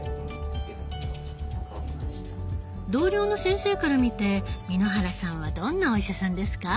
同僚の先生から見て簑原さんはどんなお医者さんですか？